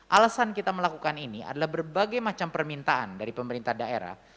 alasan kita melakukan ini adalah berbagai macam permintaan dari pemerintah daerah